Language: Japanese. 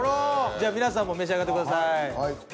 じゃあ皆さんも召し上がってください。